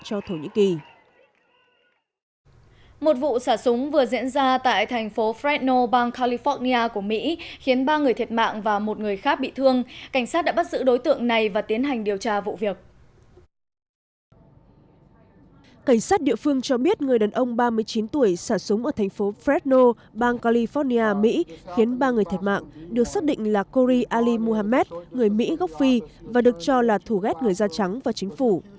cảnh sát địa phương cho biết người đàn ông ba mươi chín tuổi xả súng ở thành phố fresno bang california mỹ khiến ba người thiệt mạng được xác định là corey ali muhammad người mỹ gốc phi và được cho là thù ghét người da trắng và chính phủ